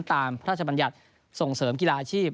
พระราชบัญญัติส่งเสริมกีฬาอาชีพ